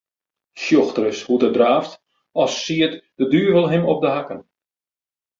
Sjoch ris hoe't er draaft, as siet de duvel him op 'e hakken.